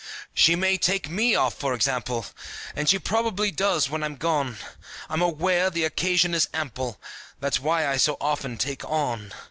She may take me off, for example, And she probably does when I'm gone. I'm aware the occasion is ample; That's why I so often take on.